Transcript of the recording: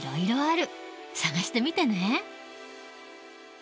探してみてね。